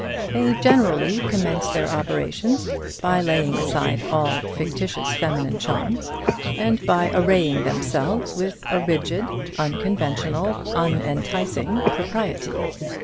They generally commence their operations by laying aside all fictitious feminine charms, and by arraying themselves with a rigid, unconventional, unenticing propriety.